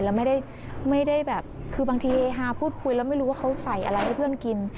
แล้วไม่ได้แบบคือบางทีฮาพูดคุยแล้วไม่รู้ว่าเขาใส่อะไรให้เพื่อนกิน